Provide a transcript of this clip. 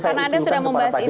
karena ada sudah membahas itu